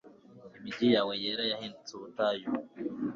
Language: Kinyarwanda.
imigi yawe yera yahindutse ubutayu